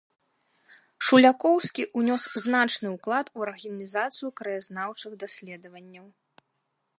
Шулякоўскі ўнёс значны ўклад у арганізацыю краязнаўчых даследаванняў.